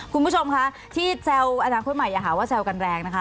คุณผู้ชมคะที่แซลอนักความใหม่หาว่าแซลกันแรงนะคะ